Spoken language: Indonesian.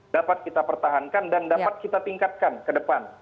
dapat kita pertahankan dan dapat kita tingkatkan ke depan